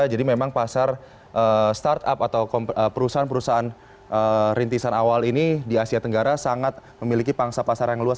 jadi memang pasar startup atau perusahaan perusahaan rintisan awal ini di asia tenggara sangat memiliki pangsa pasar yang luas